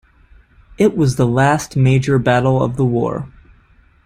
It was the last major battle of the war.